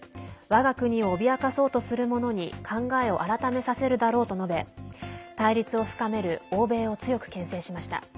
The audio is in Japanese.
わが国を脅かそうとするものに考えを改めさせるだろうと述べ対立を深める欧米を強くけん制しました。